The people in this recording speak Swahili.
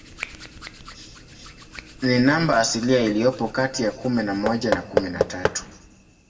Ni namba asilia iliyopo kati ya kumi na moja na kumi na tatu.